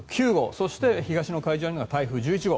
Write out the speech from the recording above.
そして、東の海上には台風１１号。